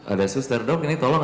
ada suster dok ini tolong